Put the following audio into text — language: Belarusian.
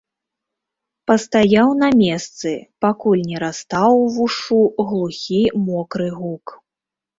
Пастаяў на месцы, пакуль не растаў увушшу глухі мокры гук.